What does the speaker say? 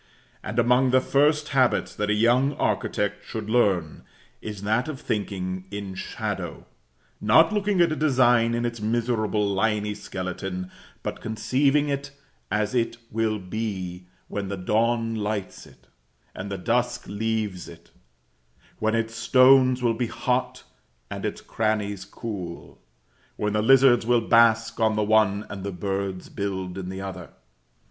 And among the first habits that a young architect should learn, is that of thinking in shadow, not looking at a design in its miserable liny skeleton; but conceiving it as it will be when the dawn lights it, and the dusk leaves it; when its stones will be hot and its crannies cool; when the lizards will bask on the one, and the birds build in the other.